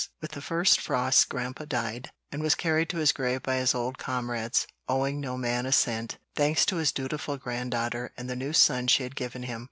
With the first frosts Grandpa died, and was carried to his grave by his old comrades, owing no man a cent, thanks to his dutiful granddaughter and the new son she had given him.